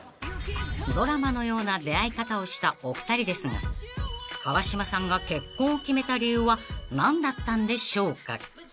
［ドラマのような出会い方をしたお二人ですが川島さんが結婚を決めた理由は何だったんでしょうか］